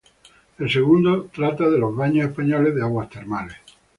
El segundo trata de los baños españoles de aguas termales.